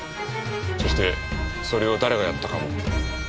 そしてそれを誰がやったかも。